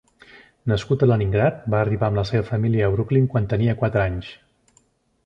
Nascut a Leningrad, va arribar amb la seva família a Brooklyn quan tenia quatre anys.